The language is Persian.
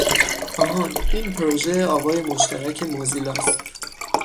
آهان! این پروژه آوای مشترک موزیلا است.